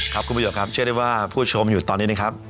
ครับคุณประโยชน์ครับเชื่อได้ว่าผู้ชมอยู่ตอนนี้นะครับ